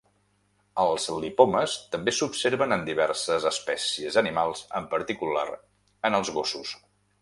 Els lipomes també s'observen en diverses espècies animals, en particular en els gossos.